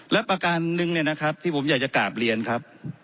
และประการหนึ่งเนี่ยนะครับที่ผมอยากจะกราบเรียนครับ